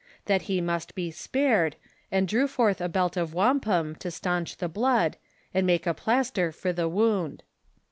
that he must bo spared, and drew forth a belt of wampum to stanch the blood, and make a plaster for tho wound.